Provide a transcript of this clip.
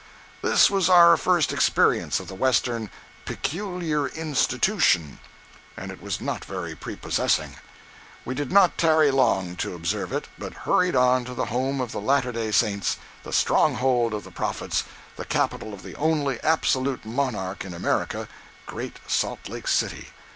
This was our first experience of the western "peculiar institution," and it was not very prepossessing. We did not tarry long to observe it, but hurried on to the home of the Latter Day Saints, the stronghold of the prophets, the capital of the only absolute monarch in America—Great Salt Lake City.